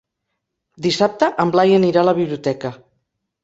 Dissabte en Blai anirà a la biblioteca.